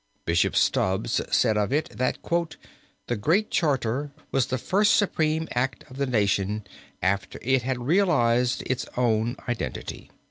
Bishop Stubbs said of it, that "the Great Charter was the first supreme act of the nation after it had realized its own identity."